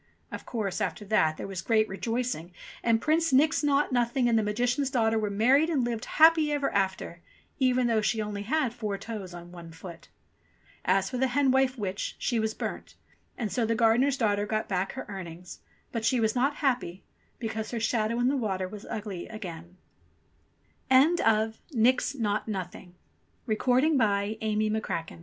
Of course, after that there was great rejoicing, and Prince Nix Naught Nothing and the Magician's daughter were married and lived happy ever after, even though she only had four toes on one foot. As for the hen wife witch, she was burnt, and so the gardener's daughter got back her earnings ; but she was not happy, because her shadow in the wat